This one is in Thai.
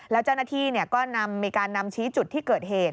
แล้วเจ้าหน้าที่ก็มีการนำชี้จุดที่เกิดเหตุ